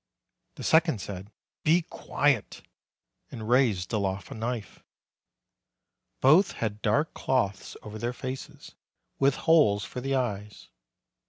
The second said: "Be quiet!" and raised aloft a knife. Both had dark cloths over their faces, with holes for the eyes.